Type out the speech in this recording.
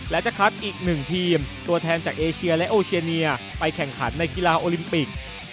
และจะคัดอีกหนึ่งทีมตัวแทนจากเอเชียและโอเชียเนียไปแข่งขันในกีฬาโอลิมปิก